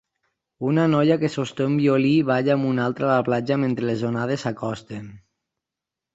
Una noia que sosté un violí balla amb una altra a la platja mentre les onades s'acosten.